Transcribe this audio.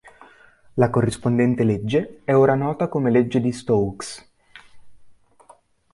La corrispondente legge è ora nota come legge di Stokes.